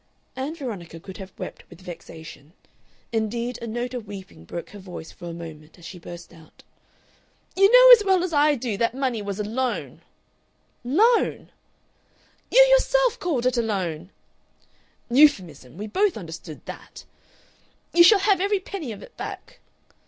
Ann Veronica could have wept with vexation. Indeed, a note of weeping broke her voice for a moment as she burst out, "You know as well as I do that money was a loan!" "Loan!" "You yourself called it a loan!" "Euphuism. We both understood that." "You shall have every penny of it back."